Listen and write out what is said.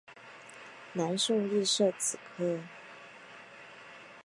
南宋亦设此科。